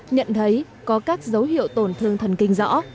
nhận thấy có các dấu hiệu tổn thương thần kinh rõ